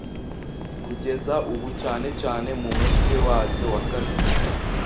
kugeza ubu, cyane cyane mu mutwe waryo wa kabiri,